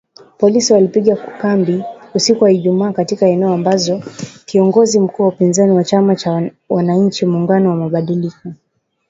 Polisi walipiga kambi usiku wa Ijumaa katika eneo ambako kiongozi mkuu wa upinzani wa chama cha wananchi muungano wa mabadiliko